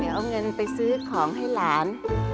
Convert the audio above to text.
เอาเงินไปซื้อของให้หลาน